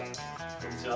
こんにちは。